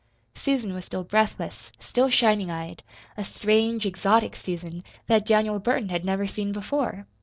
Susan was still breathless, still shining eyed a strange, exotic Susan, that Daniel Burton had never seen before.